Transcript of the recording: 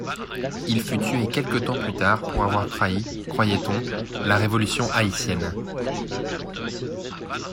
Il fut tué quelque temps plus tard pour avoir trahi, croyait-on, la Révolution haïtienne.